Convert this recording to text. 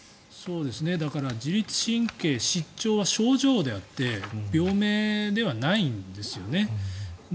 だから、自律神経失調症は症状であって病名ではないんですよね。